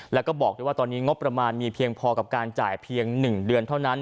แล้วก็บอกด้วยว่าตอนนี้งบประมาณมีเพียงพอกับการจ่ายเพียง๑เดือนเท่านั้น